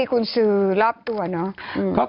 คุณชื่อรับตัวเนาะ